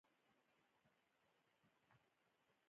ایا اوبه د ژوند لپاره اړینې دي؟